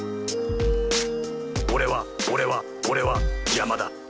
「俺は俺は俺は山田」